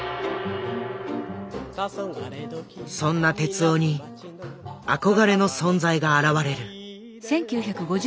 そんな徹男に憧れの存在が現れる。